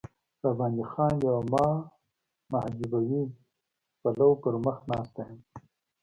را باندې خاندي او ما محجوبوي پلو پر مخ ناسته یم.